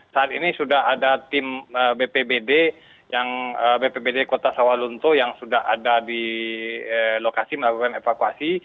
saat ini sudah ada tim bpbd yang bpbd kota sawalunto yang sudah ada di lokasi melakukan evakuasi